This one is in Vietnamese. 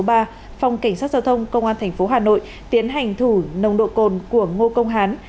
phòng cảnh sát giao thông công an tp hà nội tiến hành thủ nồng độ cồn của ngô công hán